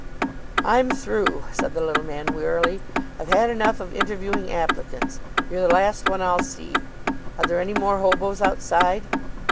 "I'm through," said the little man wearily. "I've had enough of interviewing applicants. You're the last one I'll see. Are there any more hobos outside?"